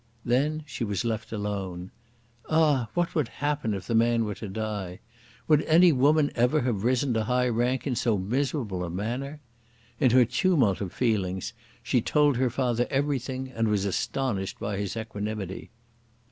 Then she was left alone. Ah, what would happen if the man were to die. Would any woman ever have risen to high rank in so miserable a manner! In her tumult of feelings she told her father everything, and was astonished by his equanimity.